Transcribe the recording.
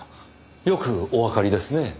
よくおわかりですねぇ。